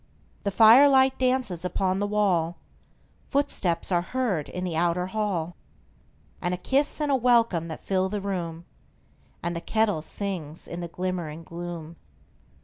The firelight dances upon the wall, Footsteps are heard in the outer hall, And a kiss and a welcome that fill the room, And the kettle sings in the glimmer and gloom.